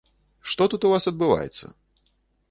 Што тут у вас адбываецца?